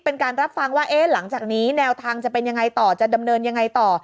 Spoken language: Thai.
เป็นการรับฟังว่าหลังจากนี้แนวทางจะเป็นยังไงต่อจะดำเนินยังไงต่อ